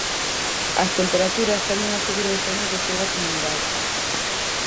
As temperaturas tenden a subir en zonas do sur da comunidade.